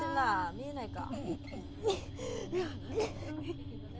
見えないか。